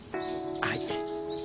はい。